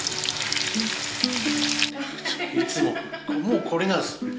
いつももうこれなんです。